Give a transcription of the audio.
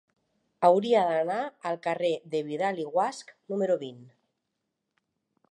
Hauria d'anar al carrer de Vidal i Guasch número vint.